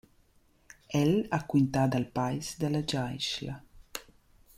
El ha quintà dal pais da la giaischla.